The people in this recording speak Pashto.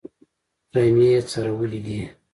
رمې یې څرولې دي.